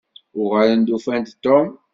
Uɣalen ufan-d Tom?